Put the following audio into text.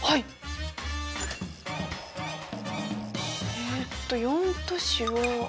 えっと４都市は。